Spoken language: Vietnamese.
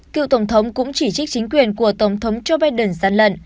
cựu tổng thống cũng chỉ trích chính quyền của tổng thống joe biden gian lận